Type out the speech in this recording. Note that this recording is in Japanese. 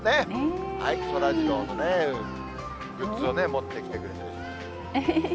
そらジローのね、グッズを持ってきてくれてる。